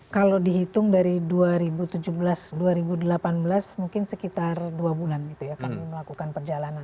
kalau dihitung dari dua ribu tujuh belas dua ribu delapan belas mungkin sekitar dua bulan gitu ya kami melakukan perjalanan